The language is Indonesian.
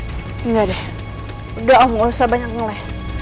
enggak deh udah aku gak usah banyak ngeles